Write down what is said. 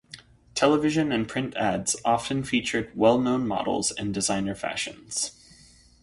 Television and print ads often featured well-known models and designer fashions.